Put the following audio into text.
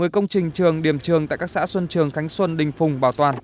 một mươi công trình trường điểm trường tại các xã xuân trường khánh xuân đình phùng bảo toàn